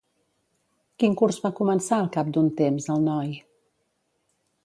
Quin curs va començar al cap d'un temps el noi?